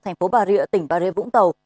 tp bà rịa tỉnh bà rịa vũng tàu